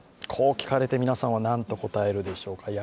こう聞かれて皆さんは何と答えるでしょうか。